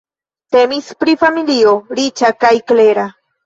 Temis pri familio riĉa kaj klera.